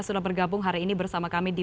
sudah bergabung hari ini bersama kami di